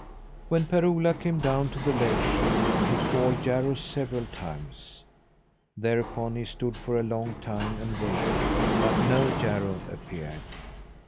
When Per Ola came down to the lake shore, he called Jarro several times. Thereupon he stood for a long time and waited, but no Jarro appeared.